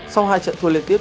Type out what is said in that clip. sau hai trận thua liên tiếp